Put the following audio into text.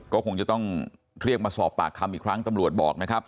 ก็คงจะต้องเรียกมาสอบปากคำอีกครั้งตำรวจบอกนะครับ